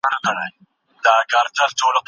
د واک لېږد بايد د وينو تويولو پرته ترسره سي.